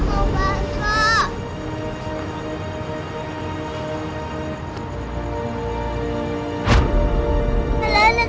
terus mau kemana